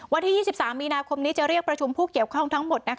วันที่๒๓มีนาคมนี้จะเรียกประชุมผู้เกี่ยวข้องทั้งหมด